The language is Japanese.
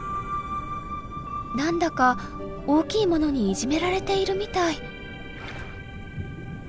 何だか大きいものにいじめられているみたい。